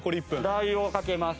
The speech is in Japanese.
ラー油をかけます。